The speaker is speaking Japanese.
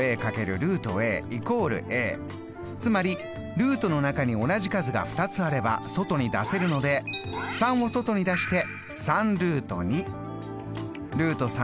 つまりルートの中に同じ数が２つあれば外に出せるので３を外に出して３。